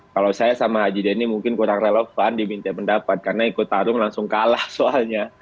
kalau saya sama haji denny mungkin kurang relevan diminta pendapat karena ikut tarung langsung kalah soalnya